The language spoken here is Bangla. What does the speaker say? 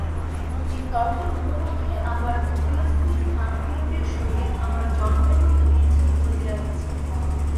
এই তর্কের উপলক্ষে আমার থিয়সফিস্ট আত্মীয়টির সহিত আমার জন্মের মতো বিচ্ছেদ ঘটিয়া গেছে।